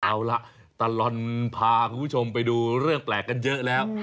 เอาล่ะตลอดพาคุณผู้ชมไปดูเรื่องแปลกกันเยอะแล้ว